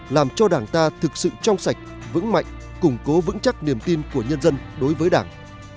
làm cho đảng ta thực sự trong sạch vững mạnh củng cố vững chắc niềm tin của nhân dân đối với đảng